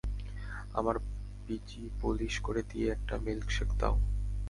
আমার বিচি পোলিশ করে দিয়ে একটা মিল্কশেক দাও।